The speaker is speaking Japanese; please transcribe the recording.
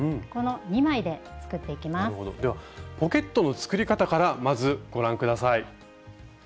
ではポケットの作り方からまずご覧下さい。